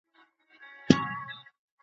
ایا ځايي بزګر پسته اخلي؟